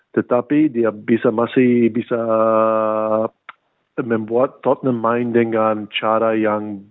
tetapi dia masih bisa membuat tottend mind dengan cara yang